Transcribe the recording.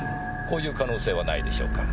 こういう可能性はないでしょうか。